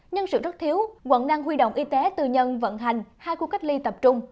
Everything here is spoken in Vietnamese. nhân sự rất thiếu quận đang huy động y tế tư nhân vận hành hai khu cách ly tập trung